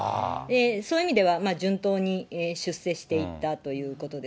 そういう意味では、順当に出世していったということです。